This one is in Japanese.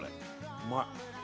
うまい。